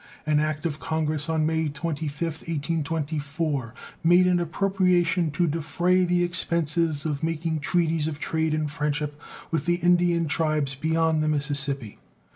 An act of Congress of May 25th, 1824, made an appropriation to defray the expenses of making treaties of trade and friendship with the Indian tribes beyond the Mississippi.